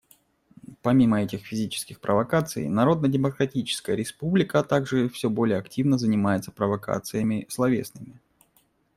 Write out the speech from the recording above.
Помимо этих физических провокаций, Народно-Демократическая Республика также все более активно занимается провокациями словесными.